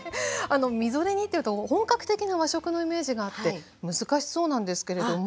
みぞれ煮というと本格的な和食のイメージがあって難しそうなんですけれども。